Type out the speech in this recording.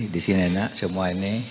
disini enak semua ini